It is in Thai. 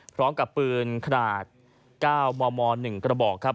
พร้อมกับปืนขนาด๙มม๑กระบอกครับ